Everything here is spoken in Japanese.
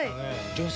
女性？